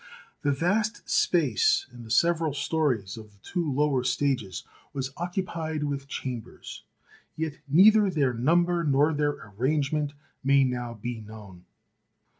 The vast space in the several stories of the two lower stages was occupied with chambers, yet neither their number nor their arrangement may now be known.